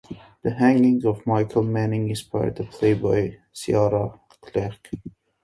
The hanging of Michael Manning inspired a play by Ciaran Creagh.